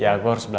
mah br spreta